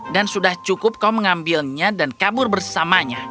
dan sudah cukup kau mengambilnya dan kabur bersamanya